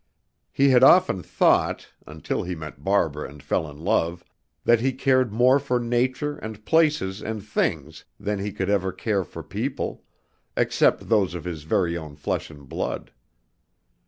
He had often thought (until he met Barbara, and fell in love) that he cared more for nature and places and things than he could ever care for people, except those of his very own flesh and blood.